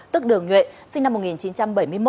tức đường nhuệ sinh năm một nghìn chín trăm bảy mươi một